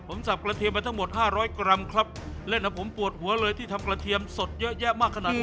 ผมสับกระเทียมไปทั้งหมดห้าร้อยกรัมครับเล่นให้ผมปวดหัวเลยที่ทำกระเทียมสดเยอะแยะมากขนาดนี้